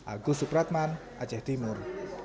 agus supratman aceh timur